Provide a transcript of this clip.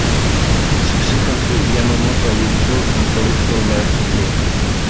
Subsequently, Yamamoto withdrew from political life completely.